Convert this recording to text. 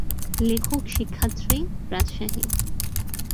লেখক শিক্ষার্থী, রাজশাহী।